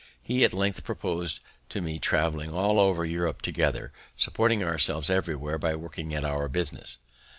He at length proposed to me traveling all over Europe together, supporting ourselves everywhere by working at our business.